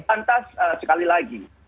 lantas sekali lagi